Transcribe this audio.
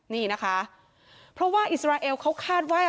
นี่นะคะเพราะว่าอิสราเอลเขาคาดว่า